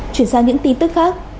chuyển sang những tin tức khác